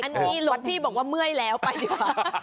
อันนี้หลวงพี่บอกว่าเมื่อยแล้วไปดีกว่า